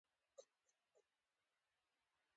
د ساړه مني په یوه نسبتاً ساړه ماښام کې روان وو.